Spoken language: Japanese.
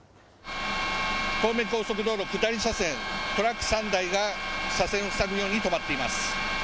東名高速道路下り車線、トラック３台が車線を塞ぐように止まっています。